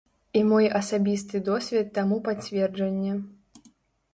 І мой асабісты досвед таму пацверджанне.